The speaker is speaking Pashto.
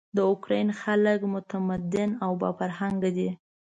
د اوکراین خلک متمدن او با فرهنګه دي.